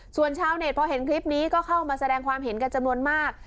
ส่วนชาวเน็ตพอเห็นคลิปนี้ก็เข้ามาแสดงความเห็นกันจำนวนมาก